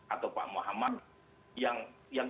atau pak muhammad yang